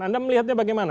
anda melihatnya bagaimana